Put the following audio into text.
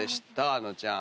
あのちゃん。